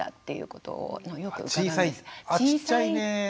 あちっちゃいね。